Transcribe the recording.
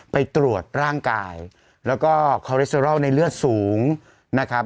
ไปตรวจร่างกายแล้วก็ในเลือดสูงนะครับ